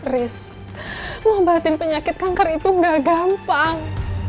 riz mengobatin penyakit kanker itu nggak gampang